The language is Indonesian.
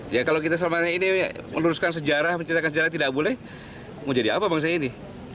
ya kalau kita selama ini meluruskan sejarah menceritakan sejarah tidak boleh mau jadi apa bangsa ini